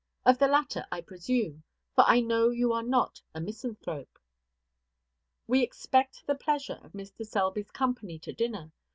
Of the latter, I presume; for I know you are not a misanthrope. We expect the pleasure of Mr. Selby's company to dinner.